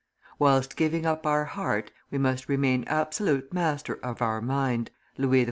"Whilst giving up our heart, we must remain absolute master of our mind," Louis XIV.